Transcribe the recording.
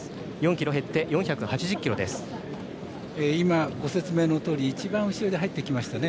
今、ご説明のとおり一番後ろに入ってきましたね。